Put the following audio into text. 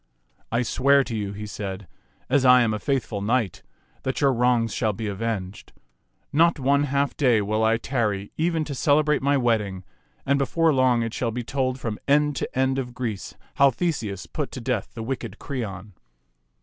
" I swear to you," he said, " as I am a faithful knight, that your wrongs shall be avenged. Not one half day will I tarry even to cele brate my wedding ; and before long it shall be told from end to end of Greece how Theseus put to death the wicked Creon.